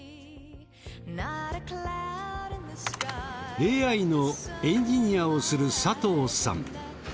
ＡＩのエンジニアをする佐藤さん。